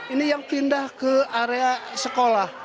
ini yang pindah ke area sekolah